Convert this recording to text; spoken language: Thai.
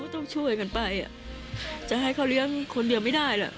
ต้องช่วยกันไปจะให้เขาเลี้ยงคนเดียวไม่ได้ล่ะ